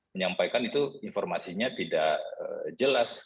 menyampaikan itu informasinya tidak jelas